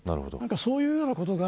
そういうようなことが